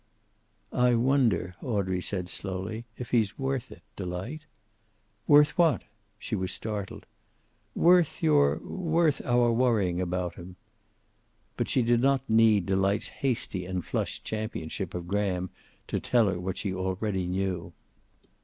"I wonder," Audrey said, slowly, "if he's worth it, Delight?" "Worth what?" She was startled. "Worth your worth our worrying about him." But she did not need Delight's hasty and flushed championship of Graham to tell her what she already knew.